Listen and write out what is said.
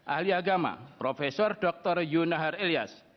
ahli agama prof dr yunahar ilyas